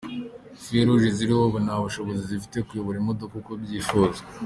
“Feu Rouge” ziriho ubu nta bushobozi zifite bwo kuyobora imodoka uko byifuzwa.